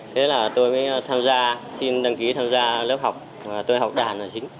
thế là tôi mới tham gia xin đăng ký tham gia lớp học và tôi học đàn là chính